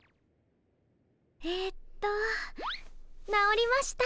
えっと直りました。